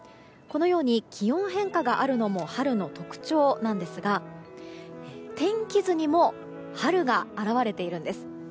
このように、気温変化があるのも春の特徴なんですが天気図にも春が表れているんです。